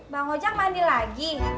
bang ojak mandi lagi